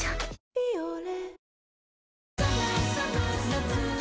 「ビオレ」